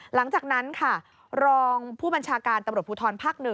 หลังจากนั้นค่ะรองผู้บัญชาการตำรวจภูทรภาค๑